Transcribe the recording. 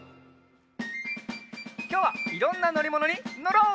きょうはいろんなのりものにのろう！